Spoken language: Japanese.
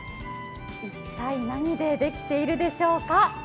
一体何でできているでしょうか。